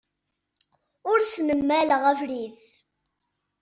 Ur asen-mmaleɣ abrid.